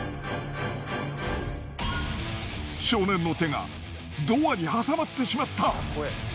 少年の手がドアに挟まってしまった。